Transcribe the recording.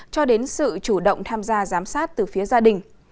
cho đến sự chủ động tham gia giám sát từ phía gia đình